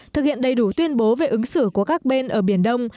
thực hiện đầy đủ tuyên bố về ứng xử của các bên ở biển đông